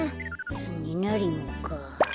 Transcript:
つねなりもか。